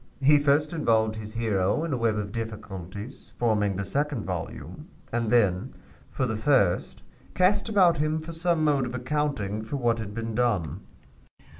He first involved his hero in a web of difficulties, forming the second volume, and then, for the first, cast about him for some mode of accounting for what had been done."